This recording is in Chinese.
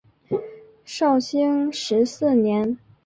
绍兴十四年。